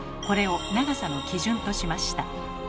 これを長さの基準としました。